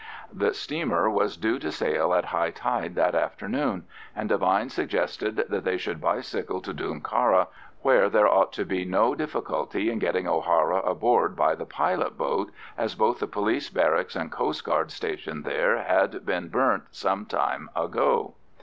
The steamer was due to sail at high tide that afternoon, and Devine suggested that they should bicycle to Dooncarra, where there ought to be no difficulty in getting O'Hara aboard by the pilot boat, as both the police barracks and coastguard station there had been burnt some time ago.